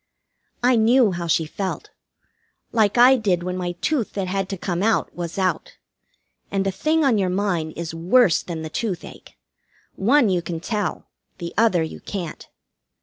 I knew how she felt. Like I did when my tooth that had to come out was out. And a thing on your mind is worse than the toothache. One you can tell, the other you can't.